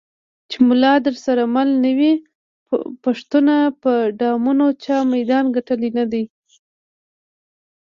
چې ملا درسره مل نه وي پښتونه په ډمانو چا میدان ګټلی نه دی.